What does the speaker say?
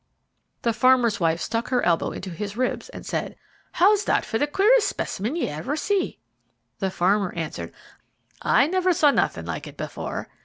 The farmer's wife stuck her elbow into his ribs, and said, "How's that for the queerest spec'men ye ever see?" The farmer answered, "I never saw nothin' like it before."